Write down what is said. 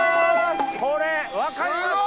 これ分かりますか？